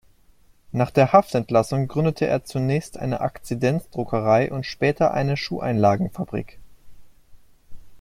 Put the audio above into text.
Nach der Haftentlassung gründete er zunächst eine Akzidenz-Druckerei und später eine Schuheinlagen-Fabrik.